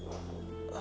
apa arti mimpi itu ya